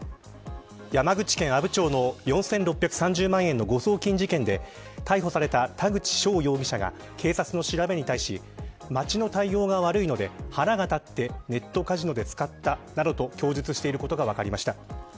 山口県阿武町の４６３０万円の誤送金事件で逮捕された田口翔容疑者が警察の調べに対し町の対応が悪いので腹が立ってネットカジノで使ったなどと供述していることが分かりました。